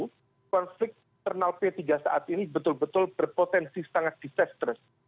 jadi konflik internal p tiga saat ini betul betul berpotensi sangat disastrous